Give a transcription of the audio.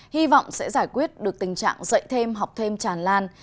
hy vọng sẽ giải quyết được tình trạng dạy thêm học thêm tràn lan